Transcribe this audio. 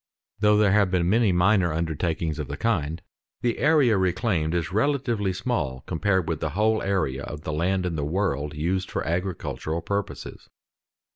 Though there have been many minor undertakings of the kind, the area reclaimed is relatively small compared with the whole area of the land in the world used for agricultural purposes.